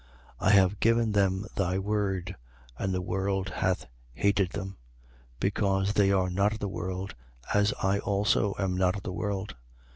17:14. I have given them thy word, and the world hath hated them: because they are not of the world, as I also am not of the world.